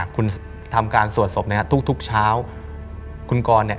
คุณทำการสวดศพนะครับทุกเช้าคุณกรเนี่ย